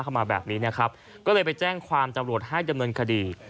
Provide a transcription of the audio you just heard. เข้ามาแบบนี้นะครับก็เลยไปแจ้งความจำรวจให้ดำเนินคดี